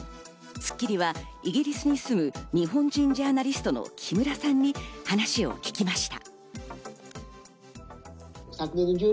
『スッキリ』はイギリスに住む日本人ジャーナリストの木村さんに話を聞きました。